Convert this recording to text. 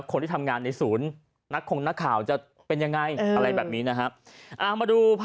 ของส้อทรยังติด